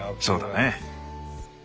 そうだね。